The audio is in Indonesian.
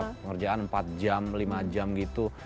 pengerjaan empat jam lima jam gitu